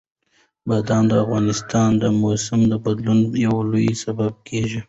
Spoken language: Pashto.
بادام د افغانستان د موسم د بدلون یو لوی سبب کېږي.